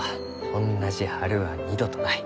おんなじ春は二度とない。